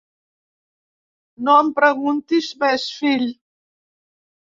No em preguntes més, fill!